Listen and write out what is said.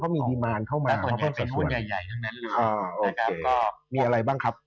มีอะไรบ้างครับ